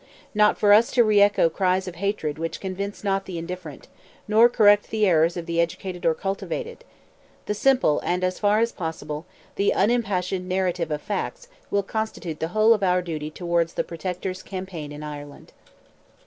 Not for us to re echo cries of hatred which convince not the indifferent, nor correct the errors of the educated or cultivated: the simple, and, as far as possible, the unimpassioned narrative of facts, will constitute the whole of our duty towards the Protector's campaign in Ireland.